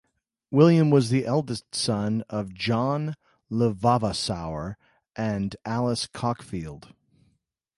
William was the eldest son of John le Vavasour and Alice Cockfield.